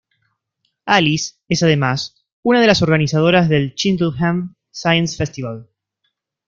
Alice es además, una de las organizadoras del Cheltenham Science Festival.